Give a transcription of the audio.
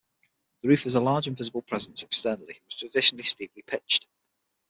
The roof is a large and visible presence externally and was traditionally steeply pitched.